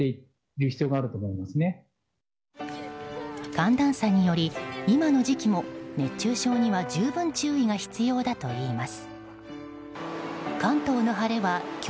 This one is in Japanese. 寒暖差により今の時期も熱中症には十分、注意が必要だといいます。